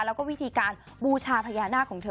แล้วก็วิธีการบูชาพญานาคของเธอ